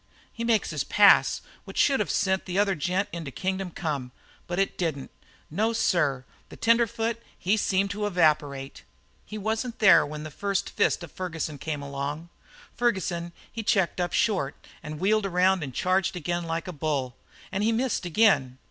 "He makes his pass, which should have sent the other gent into kingdom come. But it didn't. No, sir, the tenderfoot, he seemed to evaporate. He wasn't there when the fist of Ferguson come along. Ferguson, he checked up short and wheeled around and charged again like a bull. And he missed again.